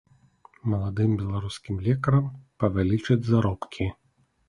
Маладым беларускім лекарам павялічаць заробкі.